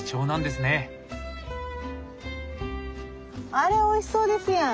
あれおいしそうですやん。